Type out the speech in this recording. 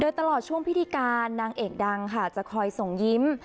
โดยตลอดช่วงพิธีการนางเอกดังค่ะจะคอยส่งยิ้ม